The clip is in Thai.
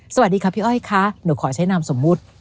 สวัสดีค่ะพี่อ้อยค่ะหนูขอใช้นามสมมุติ